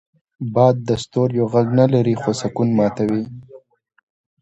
باد د ستوریو غږ نه لري، خو سکون ماتوي